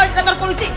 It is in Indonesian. yang suka terkulisi